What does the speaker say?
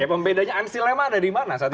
oke pembedanya an silema ada dimana saat itu